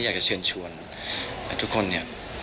อยากจะเชิญชวนทุกคนเนี่ย